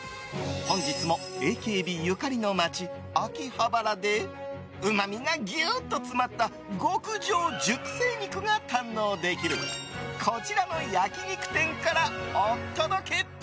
本日もＡＫＢゆかりの街秋葉原でうまみがギューッと詰まった極上熟成肉が堪能できるこちらの焼き肉店からお届け。